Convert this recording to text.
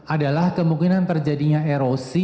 adalah kemungkinan terjadinya erosi